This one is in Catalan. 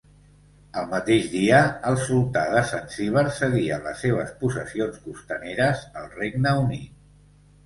El mateix dia el sultà de Zanzíbar cedia les seves possessions costaneres al Regne Unit.